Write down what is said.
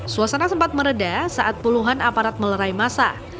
suasana sempat meredah saat puluhan aparat melerai masa